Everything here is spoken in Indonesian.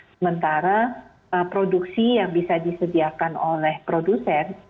sementara produksi yang bisa disediakan oleh produsen